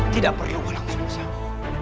tidak perlu menganggap usahaku